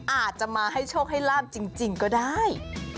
อาจจะมาให้โชคให้ลาบจริงก็ได้